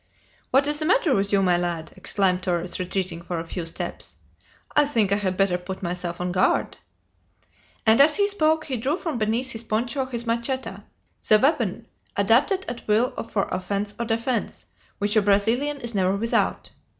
"What is the matter with you, my lad?" exclaimed Torres, retreating for a few steps. "I think I had better put myself on guard." And as he spoke he drew from beneath his poncho his manchetta, the weapon, adapted at will for offense or defense, which a Brazilian is never without.